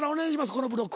このブロック。